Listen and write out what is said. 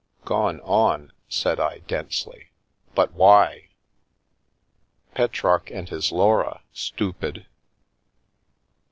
"Gone on?" said I, densely, "but why?" " Petrarch and his Laura, stoopid.